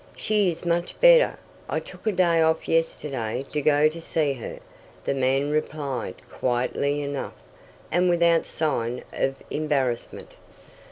"She is much better. I took a day off yesterday to go to see her," the man replied quietly enough, and without sign of embarrassment.